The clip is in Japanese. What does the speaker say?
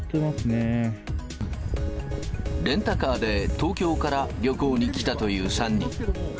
レンタカーで東京から旅行に来たという３人。